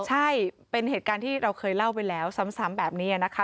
ใช่เป็นเหตุการณ์ที่เราเคยเล่าไปแล้วซ้ำแบบนี้นะคะ